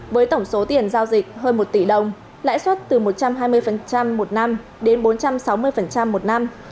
với tổng số tiền giao dịch hơn một tỷ đồng lãi suất từ một trăm hai mươi một năm đến bốn trăm sáu mươi một năm